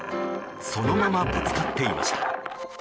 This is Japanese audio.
そのまま、ぶつかっていました。